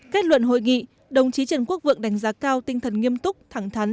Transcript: kết luận hội nghị đồng chí trần quốc vượng đánh giá cao tinh thần nghiêm túc thẳng thắn